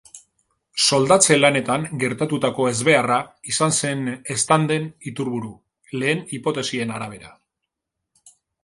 Soldatze lanetan gertatutako ezbeharra izan zen eztanden iturburu, lehen hipotesien arabera.